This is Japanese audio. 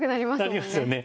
なりますよね。